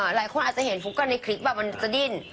หลายคนอาจจะเห็นฟุ๊กกันในคลิปแบบมันจะดิ้น